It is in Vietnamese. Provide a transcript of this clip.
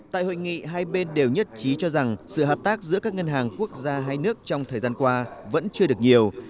tại hội nghị hai bên đều nhất trí cho rằng sự hợp tác giữa các ngân hàng quốc gia hai nước trong thời gian qua vẫn chưa được nhiều